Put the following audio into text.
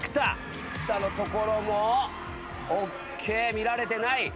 菊田の所もＯＫ見られてない。